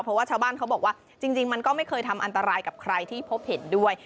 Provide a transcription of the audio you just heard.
เพราะว่าชาวบ้านเขาบอกว่าจริงมันก็ไม่เคยทำอันตรายกับใครที่พบเห็นด้วย